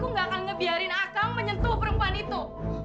aku gak akan ngebiarin akan menyentuh perempuan itu